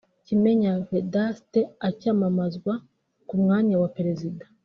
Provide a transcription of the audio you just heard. Kimenyi Vedaste acyamamazwa ku mwanya wa perezida